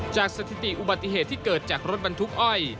สถิติอุบัติเหตุที่เกิดจากรถบรรทุกอ้อย